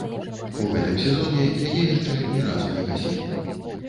У гэтым сезоне яе яшчэ ні разу не касілі.